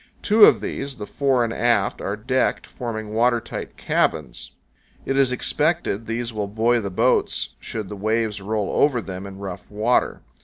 Two of these, the fore and aft, are decked, forming water tight cabins. It is expected these will buoy the boats should the waves roll over them in rough water.